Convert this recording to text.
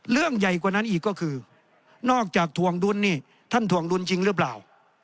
เรื่องใหญ่กว่านั้นอีกก็คือนอกจากถวงดุลนี่ท่านถวงดุลจริงหรือเปล่า